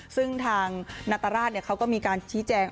ซึ่งทางนัตรราชเขาก็มีการชี้แจง